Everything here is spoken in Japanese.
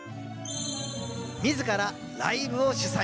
みずからライブを主催。